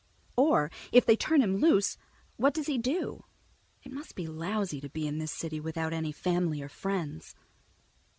Or if they turn him loose, what does he do? It must be lousy to be in this city without any family or friends.